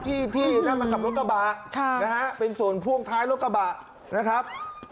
ที่ได้มากับรถกระบะเป็นส่วนพ่วงท้ายรถกระบะนะครับ